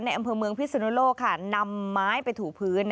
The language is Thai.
ในอำเภอเมืองพิษณุโลกน์นำไม้ไปถูผล